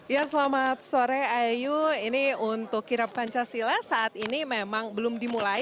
ya selamat sore ayu ini untuk kirap pancasila saat ini memang belum dimulai